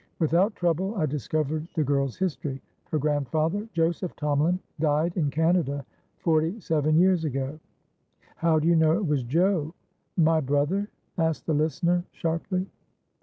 Without trouble I discovered the girl's history. Her grandfather, Joseph Tomalin, died in Canada forty seven years ago" "How do you know it was Jomy brother?" asked the listener, sharply.